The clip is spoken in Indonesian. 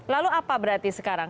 lalu apa berarti sekarang